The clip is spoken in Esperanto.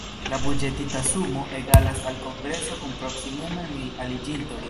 La buĝetita sumo egalas al kongreso kun proksimume mil aliĝintoj.